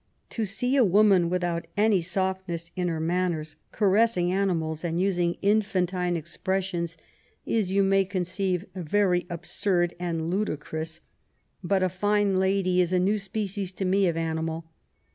To see a woman, without any softness in her manners, caressing animals, and using infantine expressions, is, you may conceive, very absurd and ludicrous, but a fine lady is a new species to me of animal.